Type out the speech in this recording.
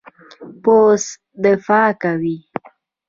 پوست دفاع کوي.